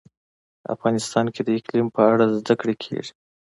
افغانستان کې د اقلیم په اړه زده کړه کېږي.